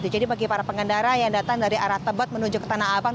jadi bagi para pengendara yang datang dari arah tebot menuju ke tanah abang